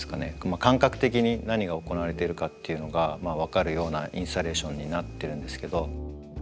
感覚的に何が行われているかっていうのが分かるようなインスタレーションになってるんですけど。